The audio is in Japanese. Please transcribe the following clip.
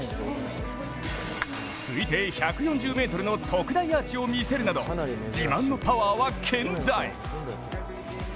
推定１４０ｍの特大アーチを見せるなど自慢のパワーは健在。